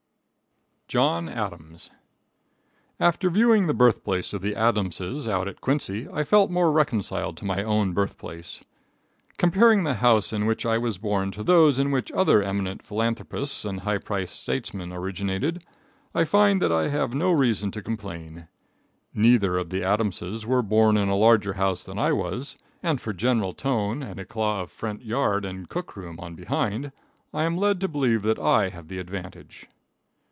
John Adams. After viewing the birthplace of the Adamses out at Quincy I felt more reconciled to my own birthplace. Comparing the house in which I was born with those in which other eminent philanthropists and high priced statesmen originated, I find that I have no reason to complain. Neither of the Adamses were born in a larger house than I was, and for general tone and eclat of front yard and cook room on behind, I am led to believe that I have the advantage.